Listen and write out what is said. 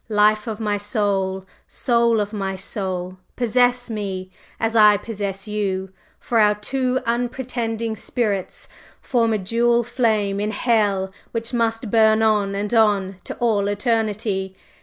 Life of my life! Soul of my soul! Possess me, as I possess you! for our two unrepenting spirits form a dual flame in Hell which must burn on and on to all eternity!